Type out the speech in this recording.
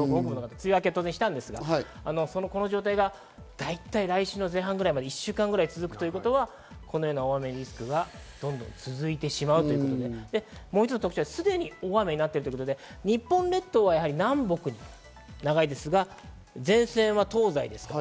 梅雨明けしたんですが、この状態がだいたい来週前半まで１週間くらい続くということは、この大雨のリスクが続いてしまうと、もう一つの特徴はすでに大雨になっているということで日本列島は南北に長いですが、前線は東西です。